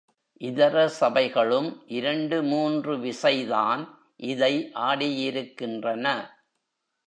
இதர சபைகளும் இரண்டு மூன்று விசைதான் இதை ஆடியிருக்கின்றன.